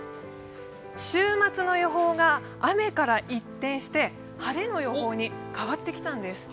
週末予報が雨から一転して晴れの予報に変わってきたんです。